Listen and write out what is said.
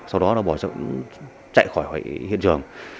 sau đó bỏ chạy khỏi hiện trường